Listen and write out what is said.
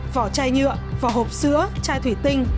vỏ chai nhựa vỏ hộp sữa chai thủy tinh